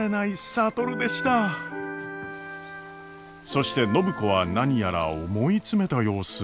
そして暢子は何やら思い詰めた様子。